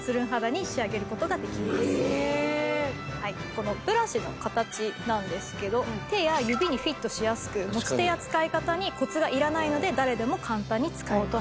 このブラシの形なんですけど手や指にフィットしやすく持ち手や使い方にコツがいらないので誰でも簡単に使えます。